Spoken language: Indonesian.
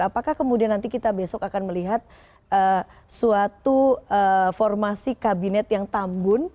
apakah kemudian nanti kita besok akan melihat suatu formasi kabinet yang tambun